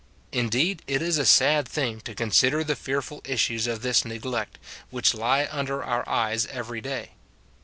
Indeed, it is a sad thing to consider the fearful issues of this neglect, which lie under our eyes every day.